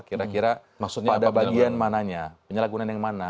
kira kira pada bagian mananya penyalahgunaan yang mana